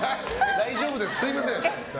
大丈夫です、すみません。